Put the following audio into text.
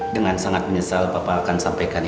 dengan sangat menyesal papa akan sampaikan ini